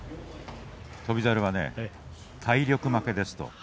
翔猿は体力負けですと。